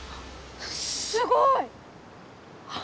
すごい！